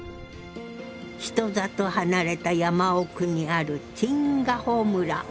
人里離れた山奥にある陳家鋪村。